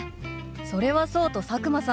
それはそうと佐久間さん